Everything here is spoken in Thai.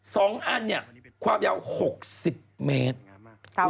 สองอันเนี่ยความยาวหกสิบเมตร